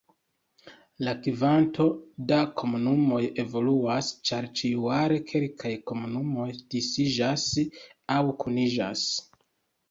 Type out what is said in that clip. La kvanto da komunumoj evoluas, ĉar ĉiujare, kelkaj komunumoj disiĝas aŭ kuniĝas.